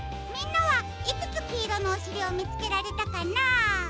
みんなはいくつきいろのおしりをみつけられたかな？